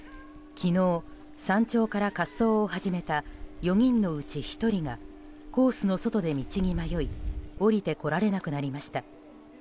昨日、山頂から滑走を始めた４人のうち１人がコースの外で道に迷い下りてこられなくなりました。